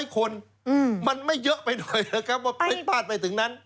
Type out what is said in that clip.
คนมันไม่เยอะไปหน่อยนะครับว่าผิดพลาดไปถึงนั้น